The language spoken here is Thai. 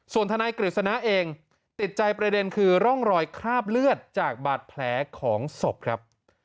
ส่วนทนายกฤษณะเองติดใจประเด็นคือร่องรอยคราบเลือดจากบาดแผลของศพครับ